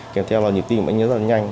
kèm theo là nhiệm tim bệnh nhân rất là nhanh